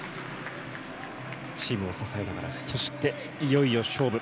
チームを支えながらそして、いよいよ勝負。